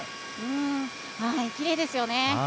きれいですよね。